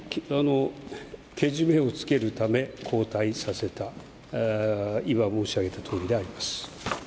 けじめをつけるため、交代させた、今、申し上げたとおりであります。